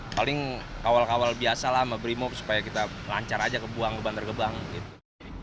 paling kawal kawal biasa lah mabrimo supaya kita lancar aja ke buang bantar gebang gitu